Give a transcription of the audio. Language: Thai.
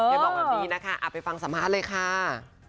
อย่าบอกว่าบีไปฟังสมาธเลยค่า